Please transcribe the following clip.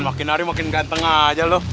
makin hari makin ganteng aja loh